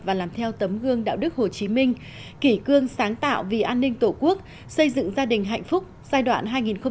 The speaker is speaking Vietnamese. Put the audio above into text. và làm theo tấm gương đạo đức hồ chí minh kỷ cương sáng tạo vì an ninh tổ quốc xây dựng gia đình hạnh phúc giai đoạn hai nghìn một mươi chín hai nghìn hai mươi năm